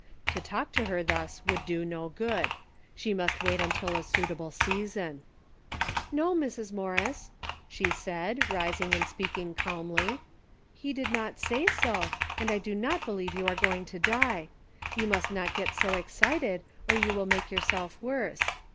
To talk to her thus would do no good. She must wait until a suitable season. "]^o, Mrs. Morris," she said, rising and speak ing calmly, '' he did not say so, jwid I do not be lieve you are going to die. You must not get so excited, or you will make yourself worse.